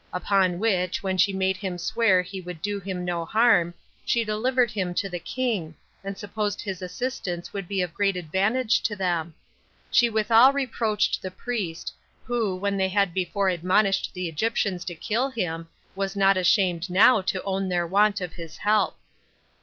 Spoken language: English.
Upon which, when she had made him swear he would do him no harm, she delivered him to the king, and supposed his assistance would be of great advantage to them. She withal reproached the priest, who, when they had before admonished the Egyptians to kill him, was not ashamed now to own their want of his help.